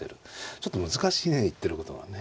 ちょっと難しいね言ってることがね。